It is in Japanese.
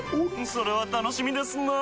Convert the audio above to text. それは楽しみですなぁ。